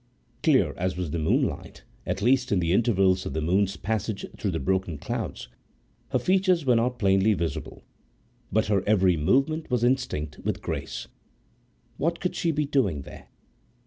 Clear as was the moonlight, at least in the intervals of the moon's passage through the broken clouds, her features were not plainly visible; but her every movement was instinct with grace. What could she be doing there?